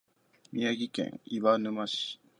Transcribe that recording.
宮城県岩沼市